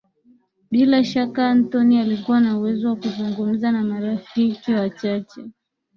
Bila shaka Antony alikuwa na uwezo wa kuzungumza na marafiki wachache